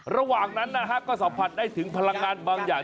ระหว่างนั้นนะฮะก็สัมผัสได้ถึงพลังงานบางอย่าง